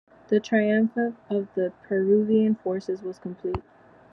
The triumph of the Peruvian forces was complete.